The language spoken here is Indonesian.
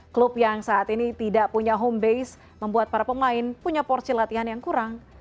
klub yang saat ini tidak punya home base membuat para pemain punya porsi latihan yang kurang